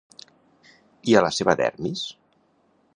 I a la seva dermis?